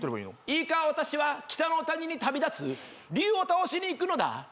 「いいか私は北の谷に旅立つ」「竜を倒しに行くのだ」